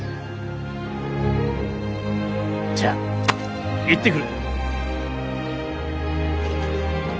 じゃあ行ってくる。